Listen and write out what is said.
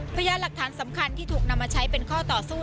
พยานหลักฐานสำคัญที่ถูกนำมาใช้เป็นข้อต่อสู้